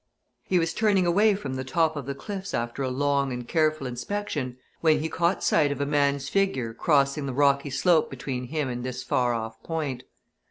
He was turning away from the top of the cliff after a long and careful inspection, when he caught sight of a man's figure crossing the rocky slope between him and this far off point.